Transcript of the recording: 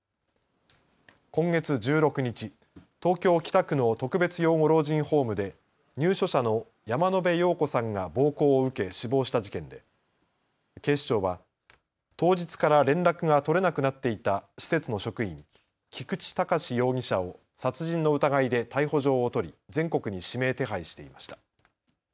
今月１６日、東京北区の特別養護老人ホームで入所者の山野邉陽子さんが暴行を受け死亡した事件で、警視庁は当日から連絡が取れなくなっていた施設の職員、菊池隆容疑者を殺人の疑いで逮捕状を取り全国に指名手配していました。